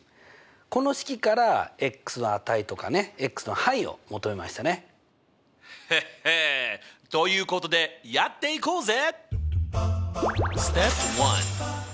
この式からの値とかねの範囲を求めヘッヘということでやっていこうぜ！